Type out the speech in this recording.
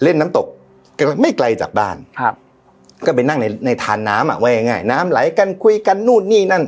เล่นน้ำตกไม่ไกลจากบ้านครับก็ไปนั่งในในทานน้ำอ่ะว่าง่ายน้ำไหลกันคุยกันนู่นนี่นั่น